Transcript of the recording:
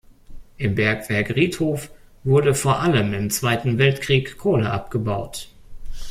Im Bergwerk Riedhof wurde vor allem im Zweiten Weltkrieg Kohle abgebaut.